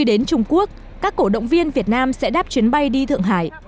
sau khi đến trung quốc các cổ động viên việt nam sẽ đáp chuyến bay đi thượng hải